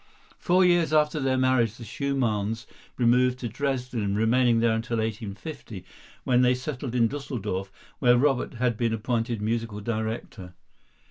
Four years after their marriage the Schumanns removed to Dresden, remaining there until 1850, when they settled in Düsseldorf, where Robert had been appointed musical director.